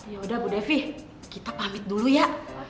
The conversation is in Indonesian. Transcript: yaudah bu devi kita pamit dulu ya